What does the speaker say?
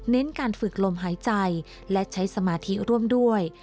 การฝึกลมหายใจและใช้สมาธิร่วมด้วย